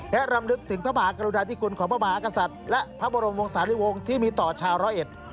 และรำลึกถึงพระมหากรุณาธิคุณของพระมหากษัตริย์และพระบรมวงศาลิวงศ์ที่มีต่อชาวร้อยเอ็ด